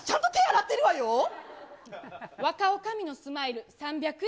私、若女将のスマイル３００円。